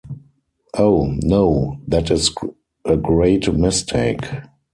Oh, no; that is a great mistake.